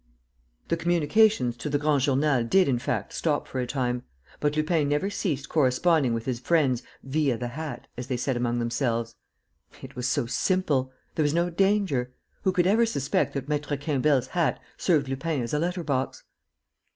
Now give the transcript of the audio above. The communications to the Grand Journal did, in fact, stop for a time, but Lupin never ceased corresponding with his friends, "via the hat," as they said among themselves. It was so simple! There was no danger. Who could ever suspect that Maître Quimbel's hat served Lupin as a letter box?